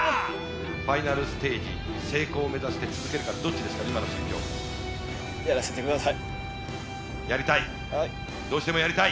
ファイナルステージ成功を目指して続けるかどっちですか今の心境やらせてくださいやりたいどうしてもやりたい？